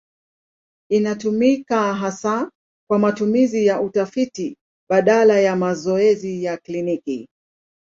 Inatumika hasa kwa matumizi ya utafiti badala ya mazoezi ya kliniki.